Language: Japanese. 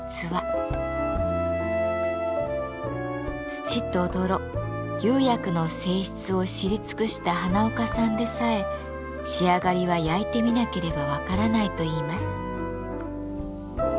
土と泥釉薬の性質を知り尽くした花岡さんでさえ仕上がりは焼いてみなければ分からないといいます。